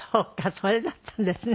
それだったんですね。